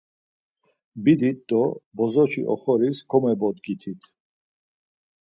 Bidit do bozoşi oxoris komebodgitit.